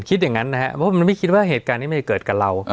คิดอย่างนั้นนะครับเพราะมันไม่คิดว่าเหตุการณ์นี้มันจะเกิดกับเรา